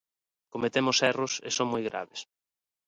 Cometemos erros e son moi graves.